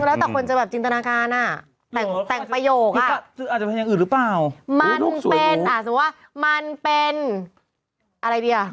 แล้วแต่คนจะแบบจินตนาการอ่ะแต่งแต่งประโยคอ่ะอาจจะเป็นอย่างอื่นหรือเปล่ามันเป็นอ่ะสมมุติว่ามันเป็นอะไรดีอ่ะ